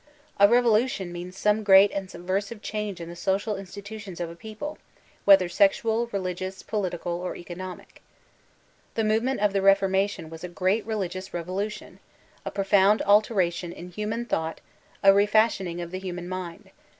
A revolution means some great and subversive change in the social institutions of a people, whether sexual, reli gious, political, or economic The movement of the Reformation was a great religioos revolution; a profound alteration in human thought— a refashioning of the human mind.